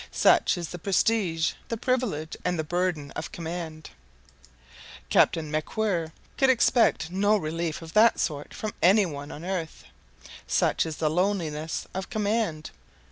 Such is the prestige, the privilege, and the burden of command. Captain MacWhirr could expect no relief of that sort from any one on earth. Such is the loneliness of command.